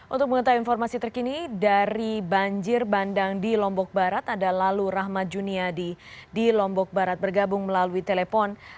untuk mengetahui informasi terkini dari banjir bandang di lombok barat ada lalu rahmat juniadi di lombok barat bergabung melalui telepon